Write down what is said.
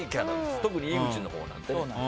特に井口のほうなんかね。